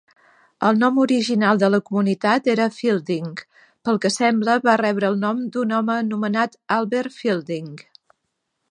El nom original de la comunitat era Fielding. Pel que sembla, va rebre el nom d'un home anomenat Albert Fielding.